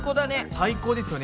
最高ですよね。